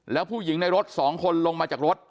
แล้วผู้หญิงในรถ๒คนลงมาจากรถ